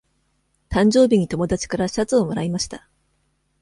誕生日に友達からシャツをもらいました。